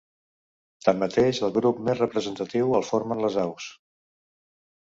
Tanmateix el grup més representatiu el formen les aus.